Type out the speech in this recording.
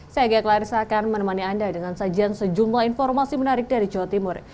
saya gaya klarissa akan menemani anda dengan sajian sejumlah informasi menarik dari jawa timur